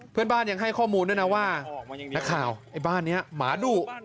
เพื่อนบ้านยังให้ข้อมูลด้วยนะว่านักข่าวไอ้บ้านนี้หมาดุ